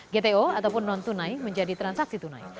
gto ataupun non tunai menjadi transaksi tunai